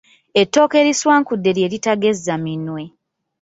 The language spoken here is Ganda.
Ettooke eriswankudde lye liritagezze minwe.